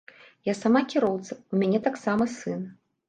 Я сама кіроўца, у мяне таксама сын.